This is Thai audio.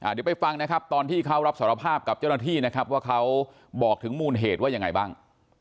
เดี๋ยวไปฟังนะครับตอนที่เขารับสารภาพกับเจ้าหน้าที่นะครับว่าเขาบอกถึงมูลเหตุว่ายังไงบ้าง